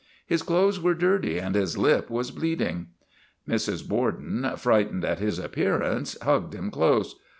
His clothes were dirty and his lip was bleeding. Mrs. Borden, frightened at his appearance, hugged him close.